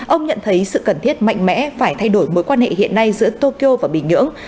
ông nhận thấy sự cần thiết mạnh mẽ phải thay đổi mối quan hệ hiện nay giữa tokyo và bình nhưỡng